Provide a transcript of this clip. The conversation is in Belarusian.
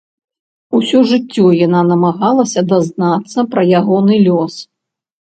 Усё жыццё яна намагалася дазнацца пра ягоны лёс.